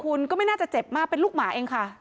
คุณก็ไม่น่าจะเจ็บมากเป็นลูกหมาเองค่ะ